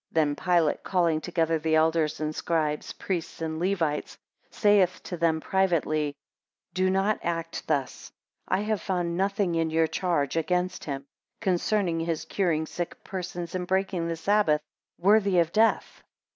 Then Pilate calling together the elders and scribes, priests and Levites, saith to them privately, Do not act thus; I have found nothing in your charge (against him) concerning his curing sick persons, and breaking the sabbath, worthy of death.